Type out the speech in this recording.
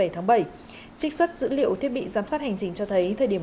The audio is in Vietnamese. trích xuất dữ liệu thiết bị giám sát hành trình cho thấy